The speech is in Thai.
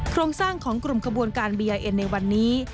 โครงสร้างของกลุ่มขบวนการบียายเอ็นในวันนี้